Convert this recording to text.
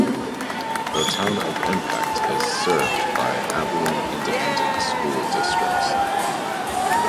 The Town of Impact is served by the Abilene Independent School District.